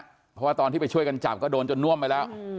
เพราะว่าตอนที่ไปช่วยกันจับก็โดนจนน่วมไปแล้ว